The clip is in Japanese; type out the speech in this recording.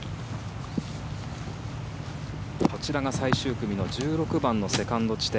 こちらが最終組の１６番のセカンド地点。